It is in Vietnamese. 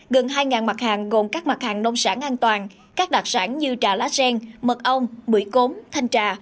gần hai mặt hàng gồm các mặt hàng nông sản an toàn các đặc sản như trà lá sen mật ong bưởi cốm thanh trà